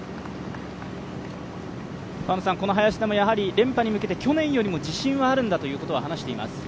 林田も連覇に向けて去年より自信はあるんだという話はしています。